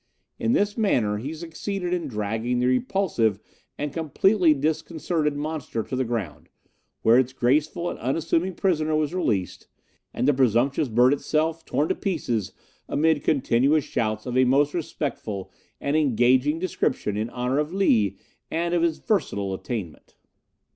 In this manner he succeeded in dragging the repulsive and completely disconcerted monster to the ground, where its graceful and unassuming prisoner was released, and the presumptuous bird itself torn to pieces amid continuous shouts of a most respectful and engaging description in honour of Lee and of his versatile attainment.